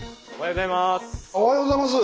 おはようございます！